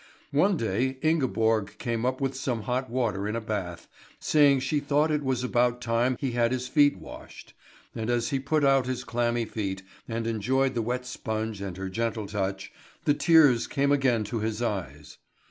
One day Ingeborg came up with some hot water in a bath, saying she thought it was about time he had his feet washed; and as he put out his clammy feet, and enjoyed the wet sponge and her gentle touch, the tears came again to his eyes.